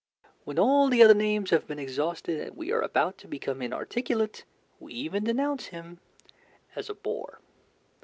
When all the other names have been exhausted and we are about to become inarticulate, we even denounce him as a bore.